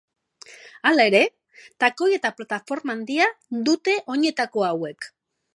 Hala ere, takoi eta plataforma handia dute oinetako hauek.